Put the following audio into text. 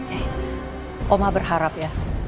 eh oma berharap ya